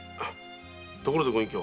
ところでご隠居。